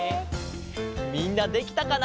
みんなできたかな？